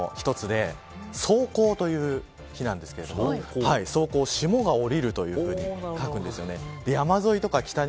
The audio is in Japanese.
二十四節気の一つで霜降という日なんですけれども霜が降りるというふうに書くんですよね。